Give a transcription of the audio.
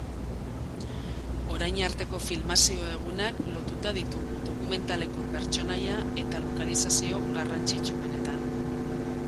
Orain arteko filmazio egunak lotuta ditugu, dokumentaleko pertsonaia eta lokalizazio garrantzitsuenetan.